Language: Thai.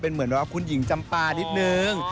เหมือนว่าคุณหญิงจำปานิดนึง